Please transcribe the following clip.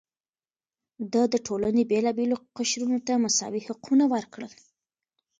ده د ټولنې بېلابېلو قشرونو ته مساوي حقونه ورکړل.